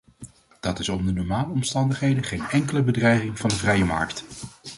Dat is onder normale omstandigheden geen enkele bedreiging van de vrije markt.